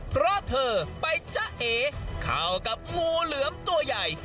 เพราะเธอไปจะเอเข้ากับงูเหลือมตัวใหญ่